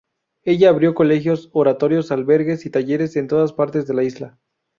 Ella abrió colegios, oratorios, albergues y talleres en todas partes de la isla.